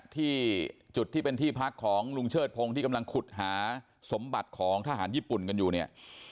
ที่จุดที่เป็นที่พักของลุงเชิดพงศ์ที่กำลังขุดหาสมบัติของทหารญี่ปุ่นกันอยู่เนี่ย